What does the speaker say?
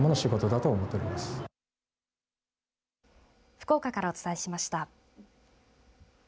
福岡からお伝えしました。